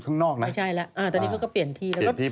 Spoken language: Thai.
ซึ่งตอน๕โมง๔๕นะฮะทางหน่วยซิวได้มีการยุติการค้นหาที่